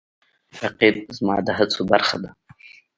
رقیب زما د هڅو برخه ده